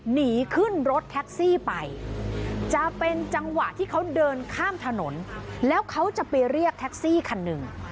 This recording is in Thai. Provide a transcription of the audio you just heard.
หนีขึ้นรถแท็กซี่ไปจะเป็นจังหวะที่เขาเดินข้ามถนนแล้วเขาจะไปเรียกแท็กซี่คันหนึ่ง